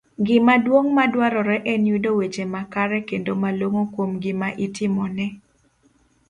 Gima duong ' madwarore en yudo weche makare kendo malong'o kuom gima itimone